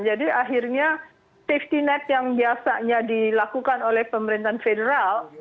jadi akhirnya safety net yang biasanya dilakukan oleh pemerintahan federal